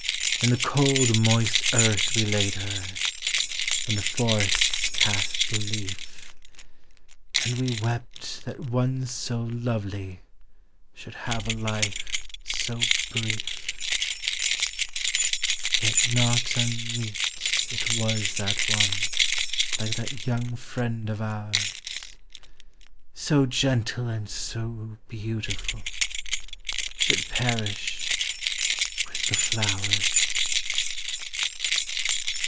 In the cold moist earth we laid her, when the forests cast the lent'. And we wept thai one so lovely should have a life so brief; Yet not unmeet ii was thai on^. like thai young friend of ours. So gentle and so beautiful, should perish with Hie flowers.